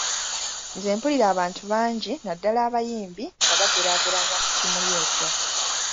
Nze mpulira abantu bangi naddala abayimbi nga babageraageranya ku kimuli ekyo.